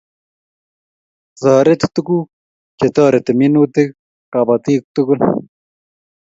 Toret tukuk chetoreti minutik kapotik tukul